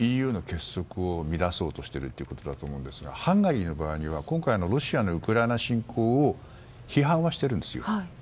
ＥＵの結束を乱そうとしているということだと思いますが、ハンガリーの場合は今回のロシアのウクライナ侵攻を批判はしてるんですよ。